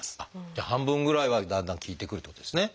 じゃあ半分ぐらいはだんだん効いてくるってことですね。